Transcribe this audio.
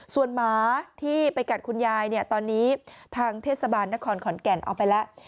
ส่วนหมาที่ไปกัดคุณยายเนี่ยตอนนี้ทางเทศบาลนครขอนแก่นเอาไปแล้ว